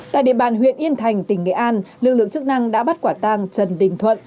tại địa bàn huyện yên thành tỉnh nghệ an lực lượng chức năng đã bắt quả tàng trần đình thuận